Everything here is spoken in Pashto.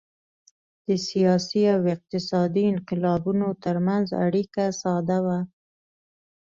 د سیاسي او اقتصادي انقلابونو ترمنځ اړیکه ساده وه